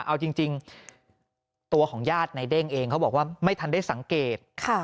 เอาจริงตัวของญาติในเด้งเองเขาบอกว่าไม่ทันได้สังเกต